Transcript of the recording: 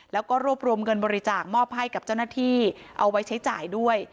แล้วก็รวบรวมเงินบริจาคมอบให้กับเจ้าหน้าที่เอาไว้ใช้จ่ายด้วย